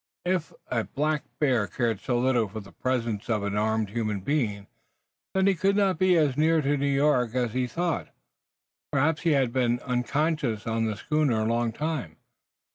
If a black bear cared so little for the presence of an armed human being then he could not be as near to New York as he had thought. Perhaps he had been unconscious on the schooner a long time.